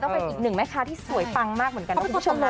เป็นอีกหนึ่งแม่ค้าที่สวยปังมากเหมือนกันนะคุณผู้ชมนะ